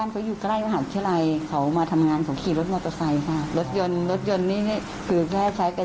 ซอสอนีที่ใช้หลุงภาพพาไป